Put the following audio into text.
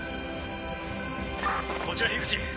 こちら口